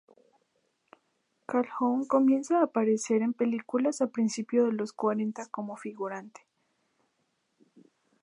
Calhoun comienza a aparecer en películas a principio de los cuarenta como figurante.